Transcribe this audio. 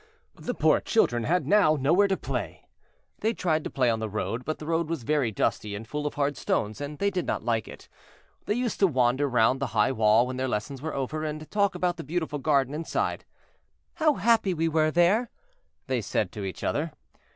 The poor children had now nowhere to play. They tried to play on the road, but the road was very dusty and full of hard stones, and they did not like it. They used to wander round the high wall when their lessons were over, and talk about the beautiful garden inside. "How happy we were there," they said to each other.